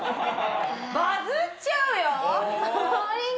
バズっちゃうよ。